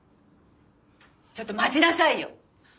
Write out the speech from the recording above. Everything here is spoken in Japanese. ちょっと待ちなさいよ。